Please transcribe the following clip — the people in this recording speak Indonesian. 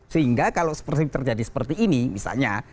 sehingga kalau terjadi seperti ini misalnya